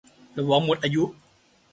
ระวังหมดอายุ